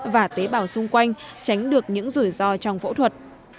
và tế bào xung quanh tránh được những rủi ro trong phẫu thuật